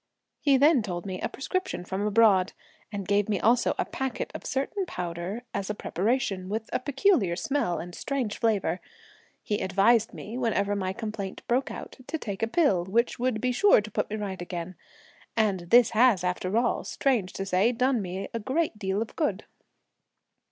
He then told me a prescription from abroad, and gave me also a packet of a certain powder as a preparative, with a peculiar smell and strange flavour. He advised me, whenever my complaint broke out, to take a pill, which would be sure to put me right again. And this has, after all, strange to say, done me a great deal of good."